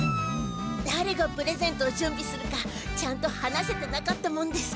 だれがプレゼントを準備するかちゃんと話せてなかったもんですから。